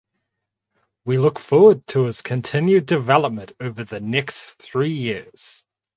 We look forward to his continued development over the next three years.